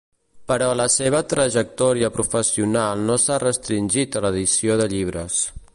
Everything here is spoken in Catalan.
Però la seva trajectòria professional no s'ha restringit a l'edició de llibres.